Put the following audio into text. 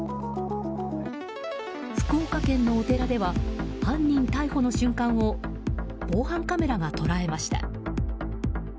福岡県のお寺では犯人逮捕の瞬間を防犯カメラが捉えました。